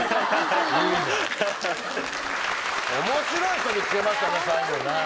面白い人見つけましたね最後。